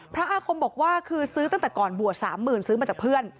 อาคมบอกว่าคือซื้อตั้งแต่ก่อนบวช๓๐๐๐ซื้อมาจากเพื่อน